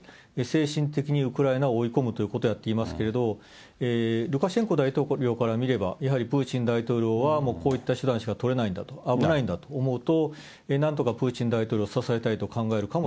精神的にウクライナを追い込むということをやっていますけれども、ルカシェンコ大統領から見れば、やはりプーチン大統領はこういった手段しか取れないんだと、危ないんだと思うと、なんとかプーチン大統領を支えたいと考える